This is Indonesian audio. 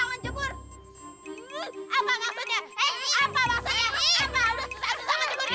apa akan sedekat itu dengan penjahat